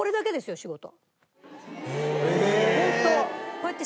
こうやって。